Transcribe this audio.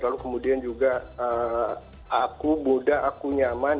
lalu kemudian juga aku boda aku nyaman